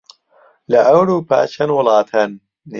لە ئەورووپا چەند وڵات هەن؟